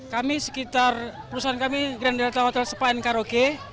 kami sekitar perusahaan kami grand delta hotel sepah nkrok